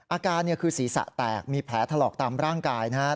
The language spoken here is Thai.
อาการคือศีรษะแตกมีแผลถลอกตามร่างกายนะครับ